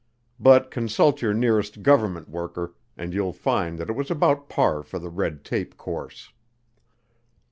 But consult your nearest government worker and you'll find that it was about par for the red tape course.